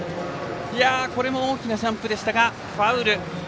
これも大きなジャンプでしたがファウル。